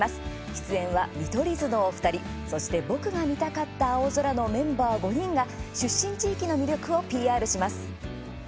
出演は、見取り図のお二人そして、僕が見たかった青空のメンバー５人が出身地域の魅力をＰＲします。